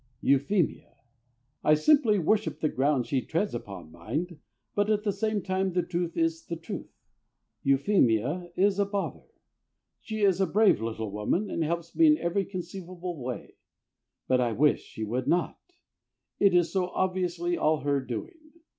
Euphemia. I simply worship the ground she treads upon, mind, but at the same time the truth is the truth. Euphemia is a bother. She is a brave little woman, and helps me in every conceivable way. But I wish she would not. It is so obviously all her doing.